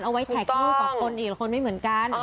เอาไว้ถ่ายรูปกับคนอีกละคนไม่เหมือนกัน